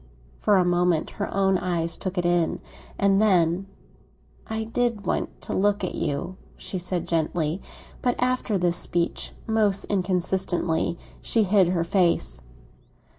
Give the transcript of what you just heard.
For a moment her own eyes took it in, and then—"I did want to look at you!" she said gently. But after this speech, most inconsistently, she hid her face.